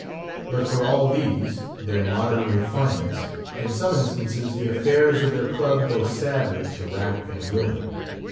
But for all these, their modern refinements, in some instances the affairs of their club go sadly to rack and ruin.